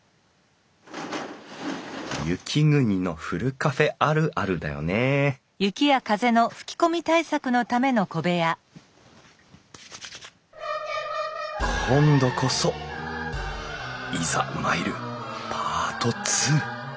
雪国のふるカフェあるあるだよね今度こそいざ参るパート２！